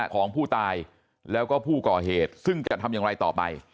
ของผู้ตายแล้วก็ผู้ก่อเหตุซึ่งจะทำอย่างไรต่อไป